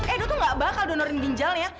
edo tuh gak bakal mendonorkan ginjalnya